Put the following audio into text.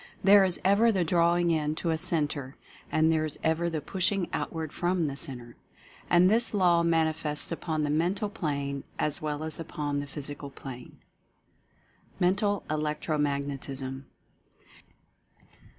There is ever the drawing in to a centre — and there is ever the pushing outward from the centre. And this Law manifests upon the Mental Plane as well as upon the Physical Plane. MENTAL ELECTRO MAGNETISM.